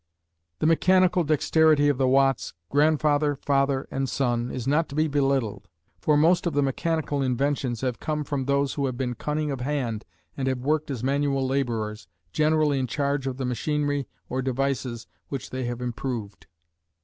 The mechanical dexterity of the Watts, grandfather, father and son, is not to be belittled, for most of the mechanical inventions have come from those who have been cunning of hand and have worked as manual laborers, generally in charge of the machinery or devices which they have improved.